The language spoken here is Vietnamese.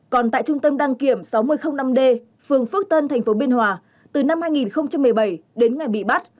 còn tại trung tâm đăng kiểm sáu nghìn năm d phường phước tân tp biên hòa từ năm hai nghìn một mươi bảy đến ngày bị bắt